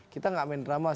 kita tidak main drama